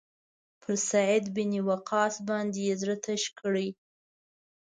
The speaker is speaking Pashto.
پر سعد بن وقاص باندې یې زړه تش کړی.